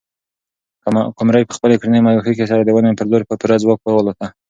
قمرۍ په خپلې کوچنۍ مښوکې سره د ونې پر لور په پوره ځواک والوته.